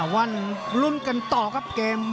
วันลุ้นกันต่อครับเกม